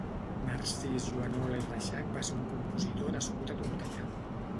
Narcís Juanola i Reixach va ser un compositor nascut a Tortellà.